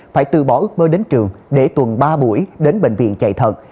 phải từ bỏ ước mơ đến trường để tuần ba buổi đến bệnh viện chạy thận